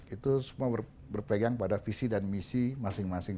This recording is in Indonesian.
itu semua berpegang pada visi dan misi masing masing